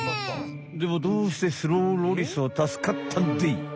でもどうしてスローロリスは助かったんでい？